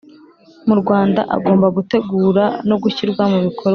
mu Rwanda agomba gutegura no gushyira mubikorwa